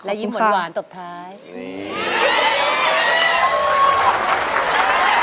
และยินหวันหวานตบท้าย